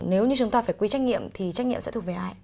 nếu như chúng ta phải quy trách nhiệm thì trách nhiệm sẽ thuộc về ai